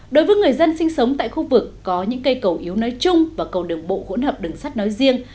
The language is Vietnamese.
đối với người dân sinh sống tại khu vực có những cây cầu yếu nói chung và cầu đường bộ hỗn hợp đường sắt nói riêng